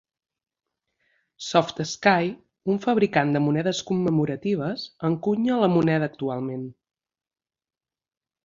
SoftSky, un fabricant de monedes commemoratives, encunya la moneda actualment.